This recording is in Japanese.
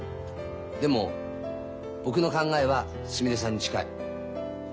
でも僕の考えはすみれさんに近い。